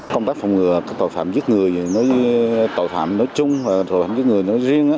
công tác phòng ngừa tội phạm giết người nói tội phạm nói chung và tội phạm giết người nói riêng